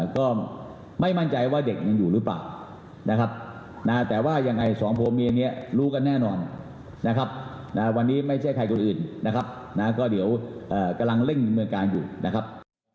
กำลังเล่นเมืองกลางอยู่นะครับ